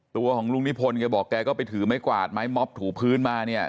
ตัวของลุงนิพนธ์แกบอกแกก็ไปถือไม้กวาดไม้ม็อบถูพื้นมาเนี่ย